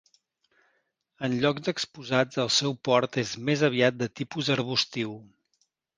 En llocs exposats el seu port és més aviat de tipus arbustiu.